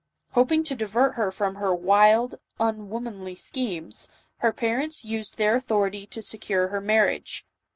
Hoping to divert her from her wild, unwomanly schemes, her parents used their authority to secure her marriage.